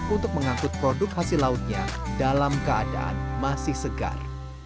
untuk mengangkut produk hasil lautnya dalam keadaan masih segar